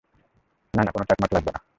না না, কোনো চার্ট-মার্ট লাগবে না।